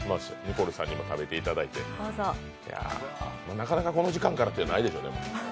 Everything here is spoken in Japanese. なかなかこの時間からっていうのはないでしょう。